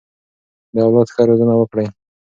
د اولاد ښه روزنه وکړئ.